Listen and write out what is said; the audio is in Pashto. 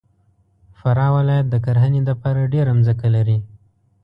فراه ولایت د کرهنې دپاره ډېره مځکه لري.